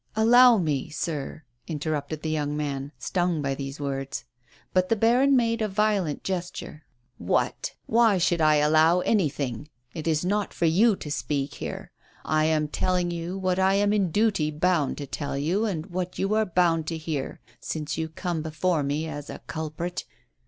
"Allow me, sir," interrupted the young man, stung by these words. But the baron made a violent gesture. 78 MADEMOISELLE FLAYIE. " What? Why should I allow anything? It is not for you to speak here. I am telling you what I am in duty bound to tell you, and what you are bound to hear, since you come before me as a culprit.